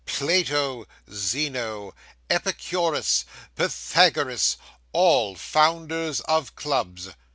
Plato, Zeno, Epicurus, Pythagoras all founders of clubs.